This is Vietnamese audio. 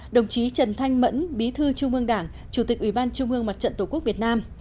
đồng chí trần thanh mẫn bí thư trung ương đảng chủ tịch ủy ban trung ương mặt trận tổ quốc việt nam